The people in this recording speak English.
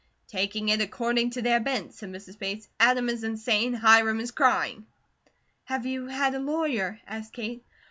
"Taking it according to their bent," said Mrs. Bates. "Adam is insane, Hiram is crying." "Have you had a lawyer?" asked Kate.